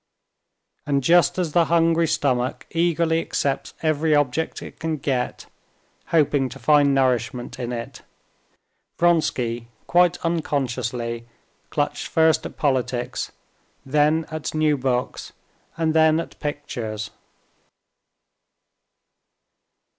And just as the hungry stomach eagerly accepts every object it can get, hoping to find nourishment in it, Vronsky quite unconsciously clutched first at politics, then at new books, and then at pictures.